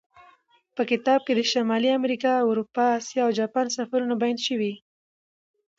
په کتاب کې د شمالي امریکا، اروپا، اسیا او جاپان سفرونه بیان شوي.